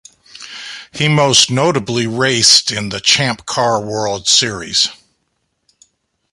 He most notably raced in the Champ Car World Series.